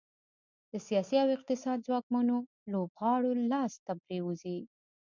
د سیاست او اقتصاد ځواکمنو لوبغاړو لاس ته پرېوځي.